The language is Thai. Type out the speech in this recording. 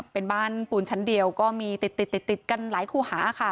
เป็นบ้านปูนชั้นเดียวก็มีติดติดกันหลายคู่หาค่ะ